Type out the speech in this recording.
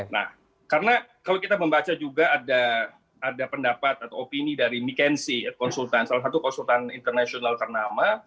nah karena kalau kita membaca juga ada pendapat atau opini dari mkensi salah satu konsultan internasional ternama